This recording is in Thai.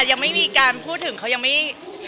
ยังไม่มีการพูดถึงเขายังไม่